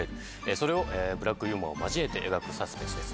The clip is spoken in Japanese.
それをブラックユーモアを交えて描くサスペンスです。